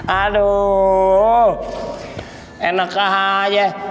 aduh enak aja